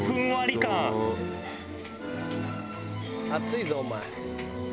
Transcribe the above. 「熱いぞお前」